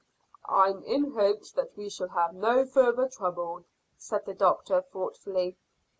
"I'm in hopes that we shall have no further trouble," said the doctor thoughtfully.